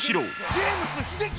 ジェームス英樹！